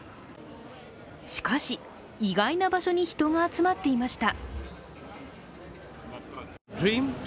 しかし、意外な場所に人が集まっていました。